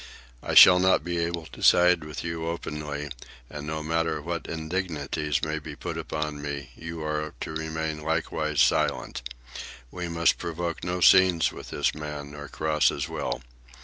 I shall not be able to side with you openly, and, no matter what indignities may be put upon me, you are to remain likewise silent. We must provoke no scenes with this man, nor cross his will.